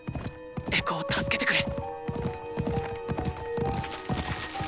エコを助けてくれ！